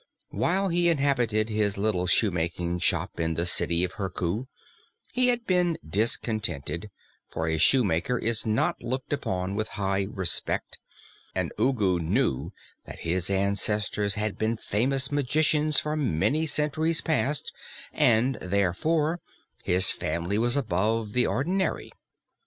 When he inhabited his little shoemaking shop in the City of Herku, he had been discontented, for a shoemaker is not looked upon with high respect, and Ugu knew that his ancestors had been famous magicians for many centuries past and therefore his family was above the ordinary.